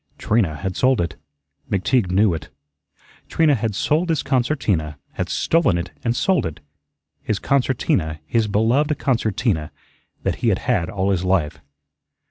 Trina had sold it. McTeague knew it. Trina had sold his concertina had stolen it and sold it his concertina, his beloved concertina, that he had had all his life.